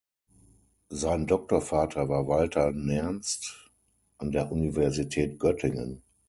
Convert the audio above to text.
Sein Doktorvater war Walther Nernst an der Universität Göttingen.